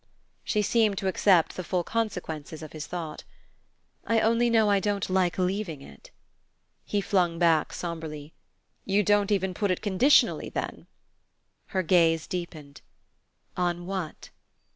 She seemed to accept the full consequences of his thought. "I only know I don't like leaving it." He flung back sombrely, "You don't even put it conditionally then?" Her gaze deepened. "On what?"